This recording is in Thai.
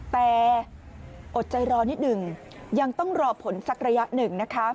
แต่อดใจรอนิดหนึ่งยังต้องรอผลสักระยะหนึ่งนะคะ